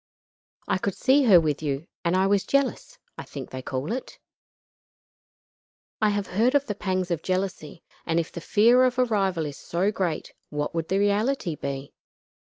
I could see her with you, and I was jealous I think they call it. I have heard of the pangs of jealousy, and if the fear of a rival is so great what would the reality be?